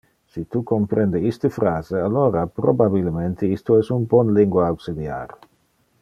Si tu comprende iste phrase, alora probabilemente isto es un bon lingua auxiliar.